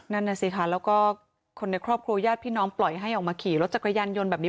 นั่นน่ะสิค่ะแล้วก็คนในครอบครัวญาติพี่น้องปล่อยให้ออกมาขี่รถจักรยานยนต์แบบนี้